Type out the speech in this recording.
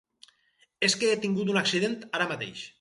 És que he tingut un accident ara mateix.